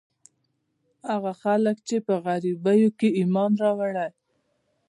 هغه خلک چې په غيبو ئې ايمان راوړی